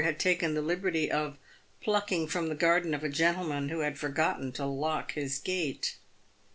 had taken the liberty of plucking from the garden of a gentleman who had forgotten to lock his gate.